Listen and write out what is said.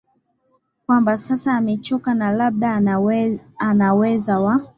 kwamba sasa amechoka na labda anaweza wa